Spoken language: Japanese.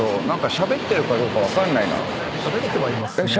しゃべってるかどうか分かんないな。